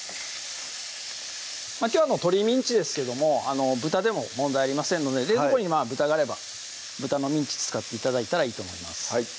きょうは鶏ミンチですけども豚でも問題ありませんので冷蔵庫に豚があれば豚のミンチ使って頂いたらいいと思います